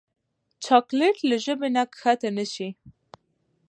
چاکلېټ له ژبې نه کښته نه شي.